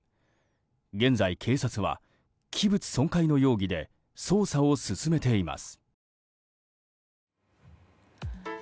現在、警察は器物破損の容疑で捜査を進めています。